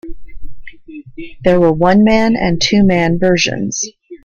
There were one-man and two-man versions.